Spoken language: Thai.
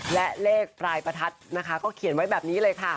และเลขปลายประทัดนะคะก็เขียนไว้แบบนี้เลยค่ะ